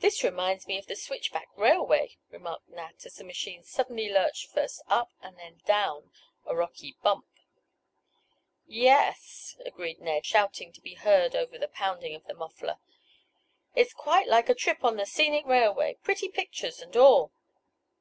"This reminds me of the Switch back Railway," remarked Nat, as the machine suddenly lurched first up, and then down a rocky "bump." "Y y y es!" agreed Ned, shouting to be heard above the pounding of the muffler. "It's quite like a trip on the Scenic Railway—pretty pictures and all."